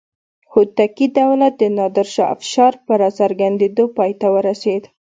هوتکي دولت د نادر شاه افشار په راڅرګندېدو پای ته ورسېد.